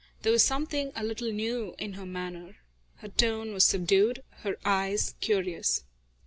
There was something a little new in her manner. Her tone was subdued, her eyes curious.